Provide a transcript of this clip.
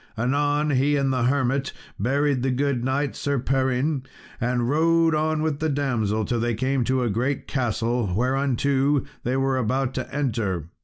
Anon, he and the hermit buried the good knight Sir Perin, and rode on with the damsel till they came to a great castle, whereinto they were about to enter.